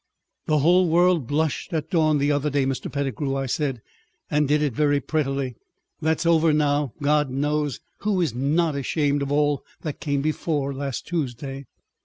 "The whole world blushed at dawn the other day, Mr. Pettigrew," I said, "and did it very prettily. That's over now. God knows, who is not ashamed of all that came before last Tuesday."